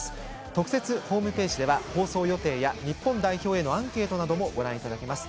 特設ホームページでは放送予定や日本代表へのアンケートなどもご覧いただけます。